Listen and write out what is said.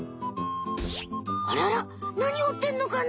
あらら何ほってんのかな？